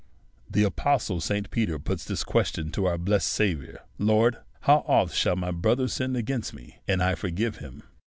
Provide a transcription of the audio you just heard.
The Apostle St. Peter puts this cjucstion to our blessed Saviour, Lord, how oft shall my brother sin against me, and I forgive Mm